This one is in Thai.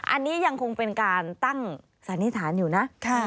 อันนี้ยังคงเป็นการตั้งสันนิษฐานอยู่นะ